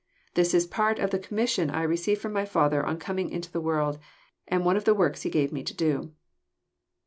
This is part of the commission I received ft'om my Father on coming into the world, and one of the works He gave Me to do."